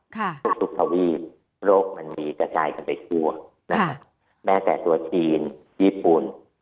ค่ะทุกทวีโรคมันมีกระจายกันไปกลัวแม้แต่ตัวชีนญี่ปุ่น